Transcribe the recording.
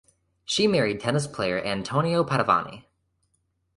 She married tennis player Antonio Padovani.